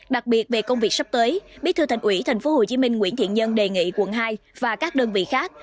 đặc biệt về công việc sắp tới bí thư thành ủy tp hcm nguyễn thiện nhân đề nghị quận hai và các đơn vị khác